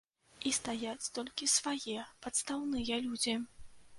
І стаяць толькі свае падстаўныя людзі.